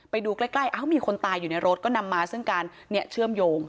ไปดูใกล้มีคนตายอยู่ในรถก็นำมาซึ่งการเชื่อมโยง